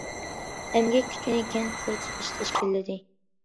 ئەمگەك كۈچىنى كەنت بىر تۇتاش تەشكىللىدى.